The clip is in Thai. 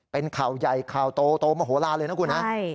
เป็นข่าวยัยข่าวโตรมโหลาเลยนะกุณะ